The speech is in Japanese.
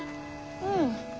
うん。